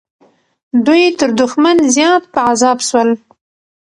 دوی تر دښمن زیات په عذاب سول.